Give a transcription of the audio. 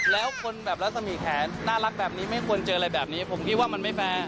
แล้วคนแบบรัศมีแขนน่ารักแบบนี้ไม่ควรเจออะไรแบบนี้ผมคิดว่ามันไม่แฟร์